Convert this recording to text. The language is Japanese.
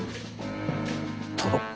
殿。